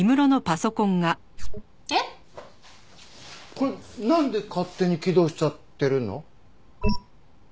これなんで勝手に起動しちゃってるの？